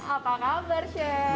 apa kabar chef